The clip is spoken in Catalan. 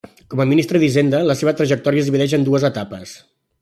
Com a ministre d'Hisenda, la seva trajectòria es divideix en dues etapes.